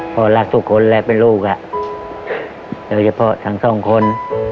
พ่อรักทุกคนและเป็นลูกโดยเฉพาะทั้งสองคน